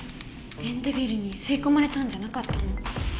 電デビルにすいこまれたんじゃなかったの？